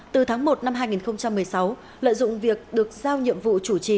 từ tháng một năm hai nghìn một mươi sáu lợi dụng việc được giao nhiệm vụ chủ trì